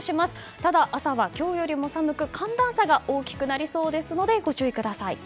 ただ、朝は今日よりも寒く寒暖差が大きくなりそうですのでご注意ください。